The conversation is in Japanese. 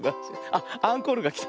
あっアンコールがきた。